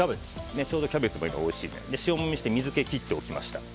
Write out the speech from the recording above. ちょうどキャベツが今おいしいですので塩もみして水気を切っておきました。